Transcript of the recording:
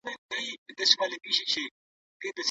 چي څه ګناه ده چي څه ثواب دی